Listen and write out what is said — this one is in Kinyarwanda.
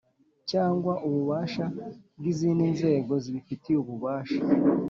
cyangwa ububasha bw izindi nzego zibifitiye ububasha